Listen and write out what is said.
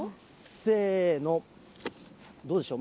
せーの、どうでしょう。